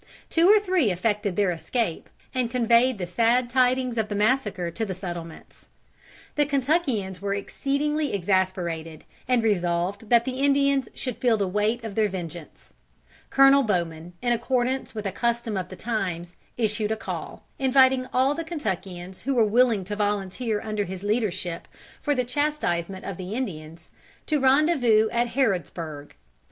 Two or three effected their escape, and conveyed the sad tidings of the massacre to the settlements. The Kentuckians were exceedingly exasperated, and resolved that the Indians should feel the weight of their vengeance. Colonel Bowman, in accordance with a custom of the times, issued a call, inviting all the Kentuckians who were willing to volunteer under his leadership for the chastisement of the Indians, to rendezvous at Harrodsburg.